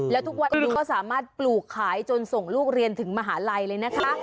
แล้วทุกวันนี้ก็สามารถปลูกขายจนส่งลูกเรียนถึงมหาลัยเลยนะคะ